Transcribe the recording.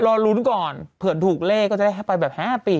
รอลุ้นก่อนเผื่อถูกเลขก็จะได้ให้ไปแบบ๕ปี